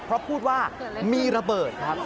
เพราะพูดว่ามีระเบิดครับ